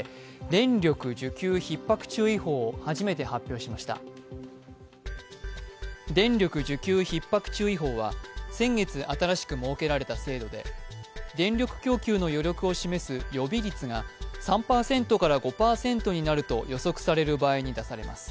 電力需給ひっ迫注意報は先月新しく設けられた制度で電力供給の余力を示す予備率が３％から５％になると予測される場合に出されます。